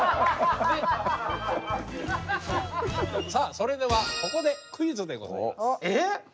さあそれではここでクイズでございます。